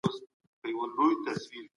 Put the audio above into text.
د ټولنیز ژوند اړخونو ته باید پام وسي.